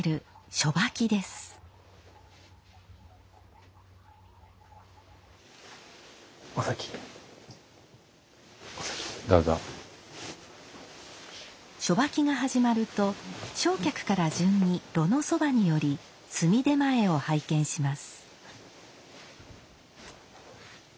初掃きが始まると正客から順に炉のそばに寄り炭手前を拝見します。